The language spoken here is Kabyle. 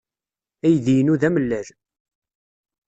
Aydi-inu d amellal.